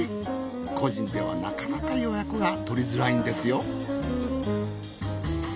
個人ではなかなか予約が取りづらいんですよ